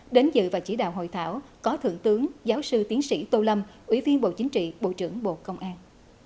đến dự và chỉ đạo hội thảo có thượng tướng giáo sư tiến sĩ tô lâm ủy viên bộ chính trị bộ trưởng bộ công an